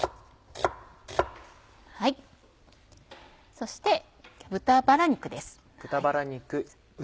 そして豚バラ肉です。